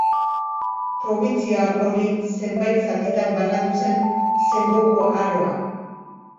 Probintzia hori zenbait zatitan banatu zen Sengoku Aroan.